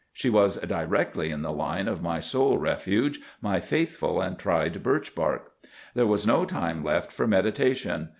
She was directly in the line of my sole refuge, my faithful and tried birch bark. There was no time left for meditation.